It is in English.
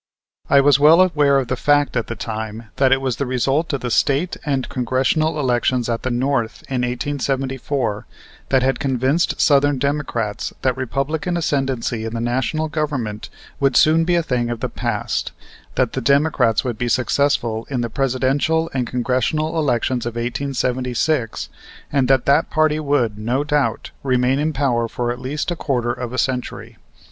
I was well aware of the fact at the time that it was the result of the State and Congressional elections at the north in 1874 that had convinced Southern Democrats that Republican ascendency in the National Government would soon be a thing of the past that the Democrats would be successful in the Presidential and Congressional elections of 1876 and that that party would, no doubt, remain in power for at least a quarter of a century.